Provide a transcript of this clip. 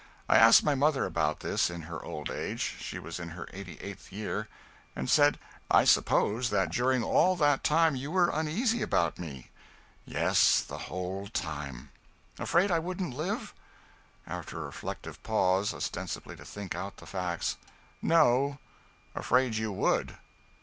I asked my mother about this, in her old age she was in her 88th year and said: "I suppose that during all that time you were uneasy about me?" "Yes, the whole time." "Afraid I wouldn't live?" After a reflective pause ostensibly to think out the facts "No afraid you would."